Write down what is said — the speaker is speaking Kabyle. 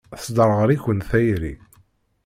Tesderɣel-iken tayri.